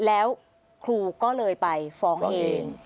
แล้วครูก็เลยไปฟ้องเอง